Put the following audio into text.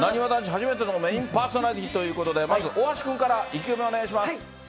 初めてのメインパーソナリティーということで、まず大橋君から、意気込みをお願いします。